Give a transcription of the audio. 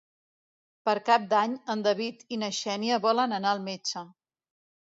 Per Cap d'Any en David i na Xènia volen anar al metge.